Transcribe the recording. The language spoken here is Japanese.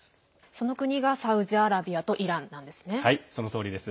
その国がサウジアラビアとイランなんですね。